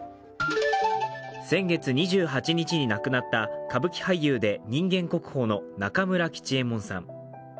先月２８日に亡くなった、歌舞伎俳優で人間国宝の中村吉右衛門さん。